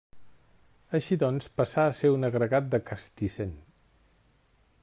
Així doncs, passà a ser un agregat de Castissent.